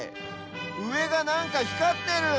うえがなんかひかってる！